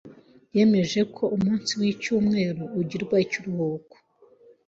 yemeje ko umunsi w’icyumweru ugirwa ikiruhuko